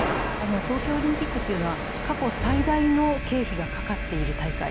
東京オリンピックというのは過去最大の経費がかかっている大会。